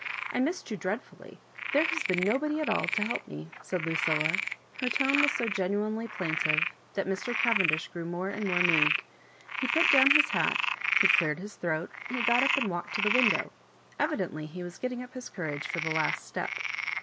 I missed you dreadfully — there has been 5 nobody at all to help me, said Lucilla. Hor tone was so genuinely plaintive that Mr. Caven dish grew more and more moved. He put down his hat, he cleared his throat, he got up and walked to the window— evidently he was get ting up his courage for the last step.